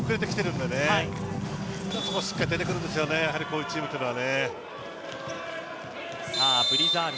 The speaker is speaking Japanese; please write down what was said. ここでしっかり出てくるんですよね、こういうチームは。